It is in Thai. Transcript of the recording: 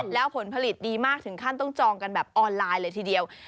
แล้วผลผลิตดีมากถึงขั้นต้องจองกันแบบออนไลน์เลยทีเดียว